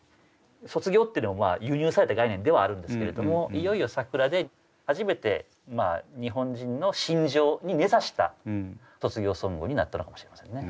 卒業っていうのも輸入された概念ではあるんですけれどもいよいよ桜で初めて日本人の心情に根ざした卒業ソングになったのかもしれませんね。